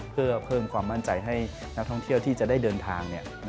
เพื่อเพิ่มความมั่นใจให้นักท่องเที่ยวที่จะได้เดินทาง